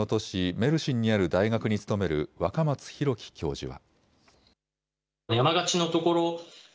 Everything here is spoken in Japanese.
メルシンにある大学に勤める若松大樹教授は。